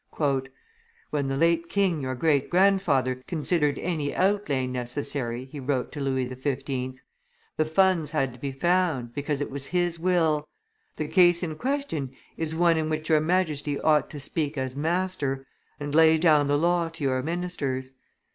"When the late king, your great grandfather, considered any outlay necessary," he wrote to Louis XV., "the funds had to be found, because it was his will. The case in question is one in which your Majesty ought to speak as master, and lay down the law to your ministers.